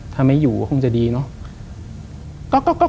ถ้าไม่อยู่ก็คงจะดีเนาะ